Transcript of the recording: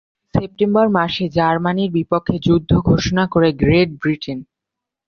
September মাসে জার্মানির বিপক্ষে যুদ্ধ ঘোষণা করে গ্রেট ব্রিটেন।